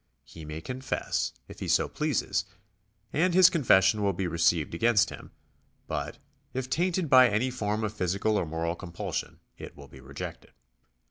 He may confess, if he so pleases, and his confession will be received against him ; but if tainted by any form of physical or moral compulsion, it will be rejected.